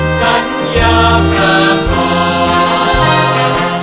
สัญญาประกอบ